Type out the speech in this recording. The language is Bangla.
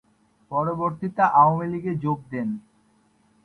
পরবর্তীতে আওয়ামী লীগে যোগ দেন।